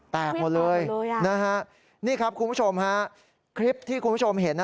แตกหมดเลยนะฮะนี่ครับคุณผู้ชมฮะคลิปที่คุณผู้ชมเห็น